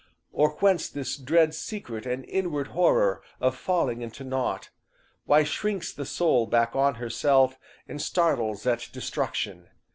Or whence this dread secret and inward horror Of falling into naught? Why shrinks the soul Back on herself, and startles at destruction?